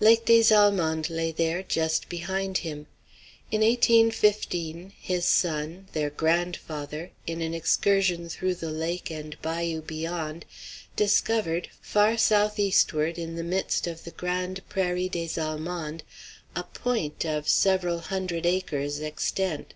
Lake des Allemands lay there, just behind him. In 1815, his son, their grandfather, in an excursion through the lake and bayou beyond, discovered, far south eastward in the midst of the Grande Prairie des Allemands, a "pointe" of several hundred acres extent.